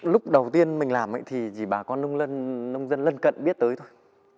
lúc đầu tiên mình làm ấy thì chỉ bà con nông dân lân cận biết tới thôi